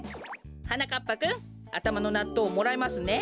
はなかっぱくんあたまのなっとうもらいますね。